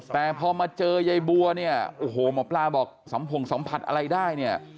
แต่พอมาเจอใยบัวปลาบอกสัมผงสัมผัสอะไรได้